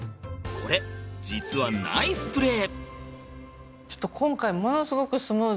これ実はナイスプレー。